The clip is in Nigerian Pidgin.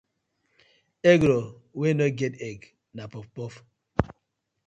Egg roll wey no get egg na puff puff.